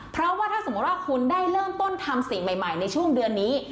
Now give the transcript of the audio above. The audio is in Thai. เพราะว่าถ้าสมมุติว่าคุณได้เริ่มต้นทำสิ่งใหม่ในช่วงเดือนนี้